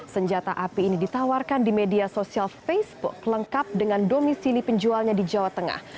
senjata api ini ditawarkan di media sosial facebook lengkap dengan domisili penjualnya di jawa tengah